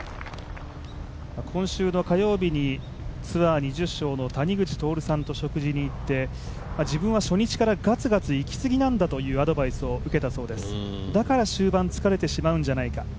今週の火曜日にツアー２０勝の谷口徹さんと食事に行って、自分は初日からがつがついきすぎなんだとアドバイスを受けたそうですだから終盤疲れてしまうんじゃないか。